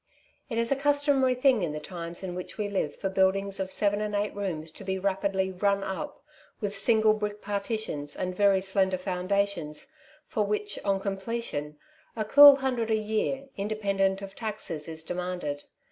It is a customary thing in the times in which we live for buildings of seven and eight rooms to be rapidly " run up," with single brick partitions, and very slender foundations, for which, on completion, a cool hundred a year, independent of taxes, is demanded.